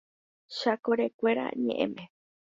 ¡Chakorekuéra ñeʼẽme!